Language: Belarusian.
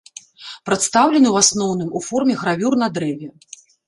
Прадстаўлены, у асноўным, у форме гравюр на дрэве.